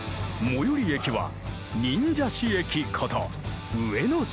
最寄り駅は忍者市駅こと上野市駅。